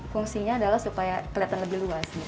fungsinya adalah supaya kelihatan lebih luas